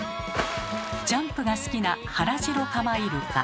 ジャンプが好きなハラジロカマイルカ。